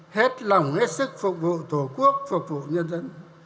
hết lòng hết sức phục vụ tổ quốc phục vụ nhân dân